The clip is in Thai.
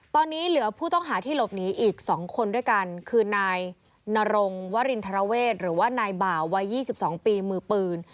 ตอนนี้เหลือผู้ต้องหาที่หลบหนีอีก๒คนด้วยกันคือนายนรงวรินทรเวศหรือว่านายบ่าววัย๒๒ปีมือปืน